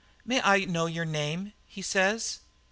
"'May I know your name?' he says.